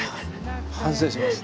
反省します。